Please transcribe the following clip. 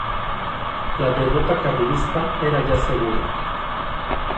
La derrota carlista era ya segura.